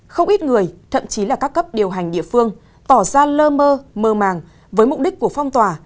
không ít người thậm chí là các cấp điều hành địa phương tỏ ra lơ mơ mơ màng với mục đích của phong tỏa